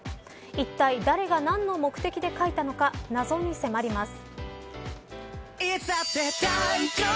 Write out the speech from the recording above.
いったい誰が何の目的で書いたのか謎に迫ります。